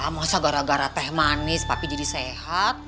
masa gara gara teh manis tapi jadi sehat